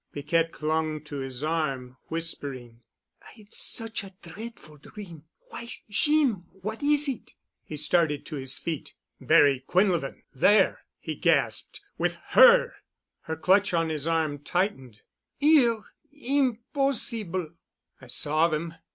Piquette clung to his arm, whispering. "I'd such a dreadful dream— Why, Jeem, what is it?" He started to his feet. "Barry Quinlevin—there!" he gasped. "With her!" Her clutch on his arm tightened. "Here—impossible!" "I saw them."